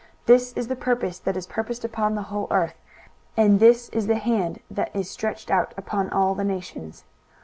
23:014:026 This is the purpose that is purposed upon the whole earth: and this is the hand that is stretched out upon all the nations.